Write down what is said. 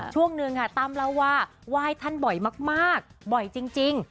ช่วงหนึ่งค่ะตั้มเล่าว่าไหว้ท่านบ่อยมากบ่อยจริง